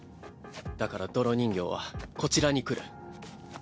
だから泥人形はこちらに来る。